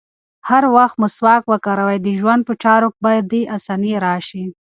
که هر وخت مسواک وکاروې، د ژوند په چارو کې به دې اساني راشي.